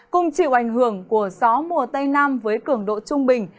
cùng chịu ảnh hưởng của gió mùa tây nam với cường độ trung bình